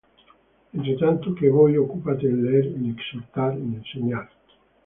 Entre tanto que voy, ocúpate en leer, en exhortar, en enseñar.